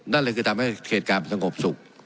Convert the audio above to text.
นั่นเลยคือทำให้การสงบสุข